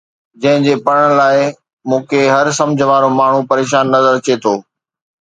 جنهن جي پڙهڻ لاءِ مون کي هر سمجهه وارو ماڻهو پريشان نظر اچي ٿو